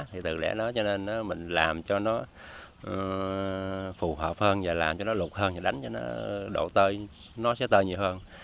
thì từ lẽ đó cho nên mình làm cho nó phù hợp hơn và làm cho nó lụt hơn và đánh cho nó độ tơi nó sẽ tơi nhiều hơn